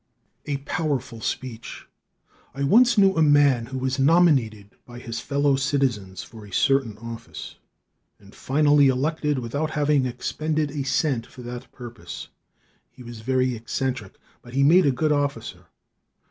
A Powerful Speech. I once knew a man who was nominated by his fellow citizens for a certain office and finally elected without having expended a cent for that purpose. He was very eccentric, but he made a good officer.